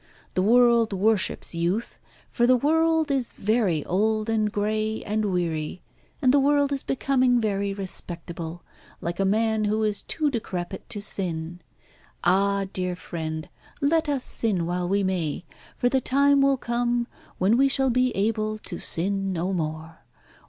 The world worships youth, for the world is very old and grey and weary, and the world is becoming very respectable, like a man who is too decrepit to sin. Ah, dear friend, let us sin while we may, for the time will come when we shall be able to sin no more.